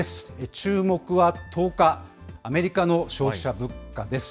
注目は１０日、アメリカの消費者物価です。